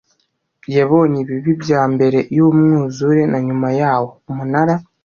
yabonye ibibi bya mbere y umwuzure na nyuma yawo Umunara